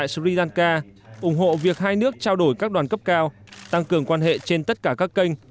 sri lanka ủng hộ việc hai nước trao đổi các đoàn cấp cao tăng cường quan hệ trên tất cả các kênh